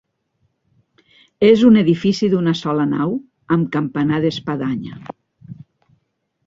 És un edifici d'una sola nau, amb campanar d'espadanya.